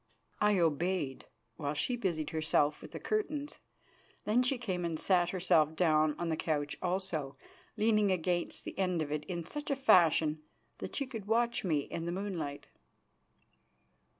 I obeyed, while she busied herself with the curtains. Then she came and sat herself down on the couch also, leaning against the end of it in such a fashion that she could watch me in the moonlight.